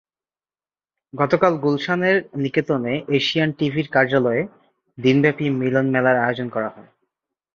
গতকাল গুলশানের নিকেতনে এশিয়ান টিভির কার্যালয়ে দিনব্যাপী মিলনমেলার আয়োজন করা হয়।